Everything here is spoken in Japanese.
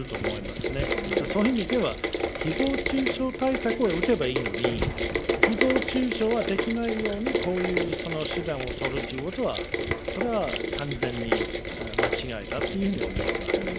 そういう意味ではひぼう中傷対策を打てばいいのにひぼう中傷ができないようにこういう手段を取るということはそれは完全に間違いだというふうに思います。